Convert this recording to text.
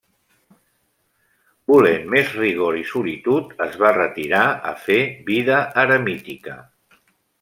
Volent més rigor i solitud, es va retirar a fer vida eremítica.